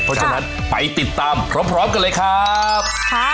เพราะฉะนั้นไปติดตามพร้อมกันเลยครับ